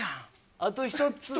あと１つで。